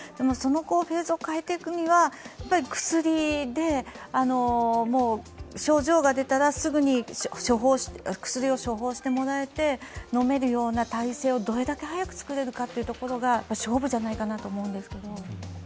そのフェーズを変えていくには、薬で症状が出たらすぐに薬を処方してもらえて、飲めるような体制をどれだけ早く作れるかが勝負じゃないかなと思うんですけれども。